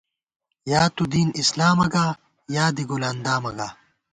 یا تُو دینِ اسلامہ گا، یا دی گل اندامہ گا